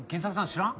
知らん？